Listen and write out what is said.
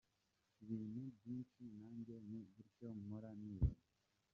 ibintu byinshi nanjye ni gutyo mpora nibaza.